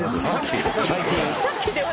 最近。